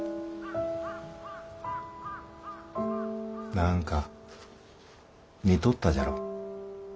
何か似とったじゃろう。